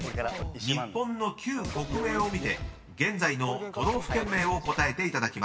［日本の旧国名を見て現在の都道府県名を答えていただきます］